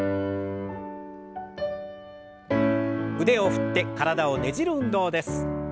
腕を振って体をねじる運動です。